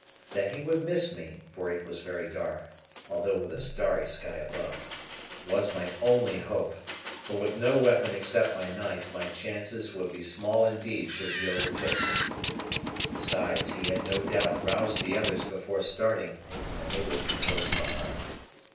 That he would miss me, for it was very dark, although with a starry sky above, was my only hope; for with no weapon except my knife my chances would be small indeed should he overtake me. Besides, he had no doubt roused the others before starting, and they would be close behind.